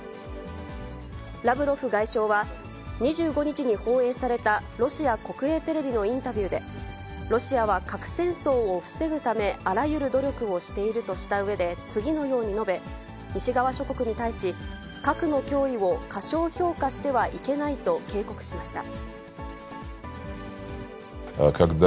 ラブロフ外相は、２５日に放映されたロシア国営テレビのインタビューで、ロシアは核戦争を防ぐため、あらゆる努力をしているとしたうえで次のように述べ、西側諸国に対し、核の脅威を過小評価してはいけないと警告しました。